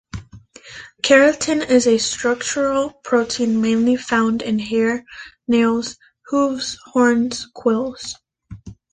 Keratin is a structural protein mainly found in hair, nails, hooves, horns, quills.